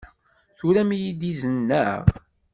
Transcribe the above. Turam-iyi-d izen, naɣ?